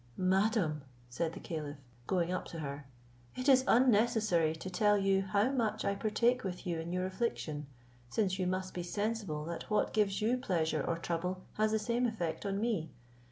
"Madam," said the caliph, going up to her, "it is unnecessary to tell you how much I partake with you in your affliction; since you must be sensible that what gives you pleasure or trouble, has the same effect on me.